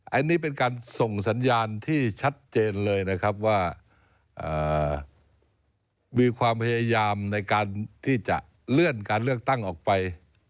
อันนี้เป็นการส่งสัญญาณที่ชัดเจนเลยนะครับว่ามีความพยายามในการที่จะเลื่อนการเลือกตั้งออกไป